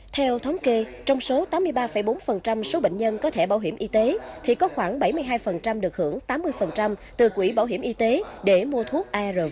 theo thống kê trong số tám mươi ba bốn số bệnh nhân có thẻ bảo hiểm y tế thì có khoảng bảy mươi hai được hưởng tám mươi từ quỹ bảo hiểm y tế để mua thuốc arv